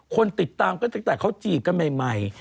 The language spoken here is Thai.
คนติดตามก็ตั้งแต่เขาจีบกันใหม่